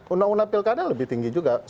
undang undang pilkada lebih tinggi juga